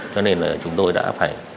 cho nên là chúng tôi đã phải